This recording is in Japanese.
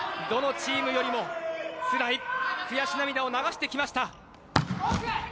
どのチームよりもつらい悔し涙を流してきました。